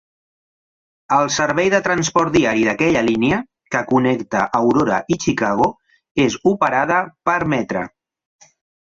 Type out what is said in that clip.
El servei de transport diari d'aquella línia, que connecta Aurora i Chicago, és operada per Metra.